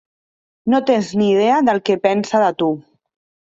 No tens ni idea del que pensa de tu!